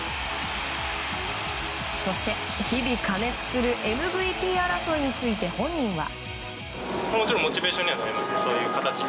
そして、日々過熱するＭＶＰ争いについて本人は。